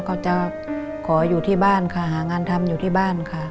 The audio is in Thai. ก็จะขออยู่ที่บ้านค่ะหางานทำอยู่ที่บ้านค่ะ